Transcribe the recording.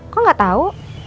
kok nggak tau